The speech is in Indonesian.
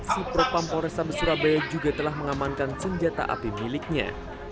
si propampolresta besurabaya juga telah mengamankan senjata api miliknya